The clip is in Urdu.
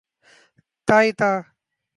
تائتا